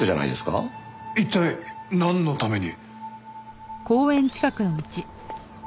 一体なんのために。